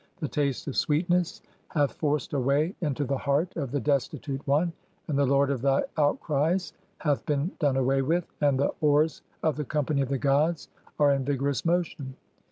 The taste of sweetness 'hath forced a way into the heart of the destitute one, and the 'lord of thy outcries (8) hath been done away with, and the 'oars(?) of the company of the gods are in vigorous motion.